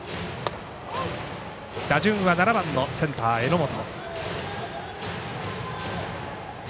打順は７番のセンター榎本。